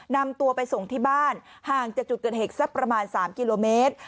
นำตัวไปส่งที่บ้านห่างจากจุดเกิดเหตุสักประมาณ๓กิโลเมตร